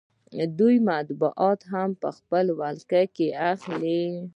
دوی مطبوعات هم په خپله ولکه کې اخلي